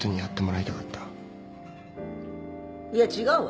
いや違うわ